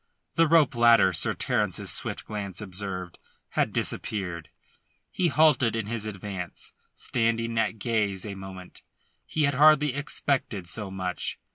The rope ladder, Sir Terence's swift glance observed, had disappeared. He halted in his advance, standing at gaze a moment. He had hardly expected so much.